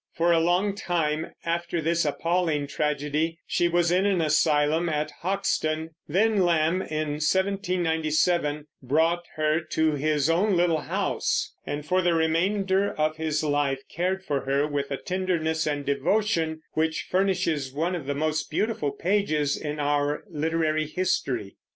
For a long time after this appalling tragedy she was in an asylum at Hoxton; then Lamb, in 1797, brought her to his own little house, and for the remainder of his life cared for her with a tenderness and devotion which furnishes one of the most beautiful pages in our literary history.